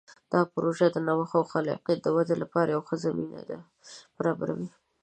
دا پروژه د نوښت او خلاقیت د ودې لپاره یوه ښه زمینه برابروي.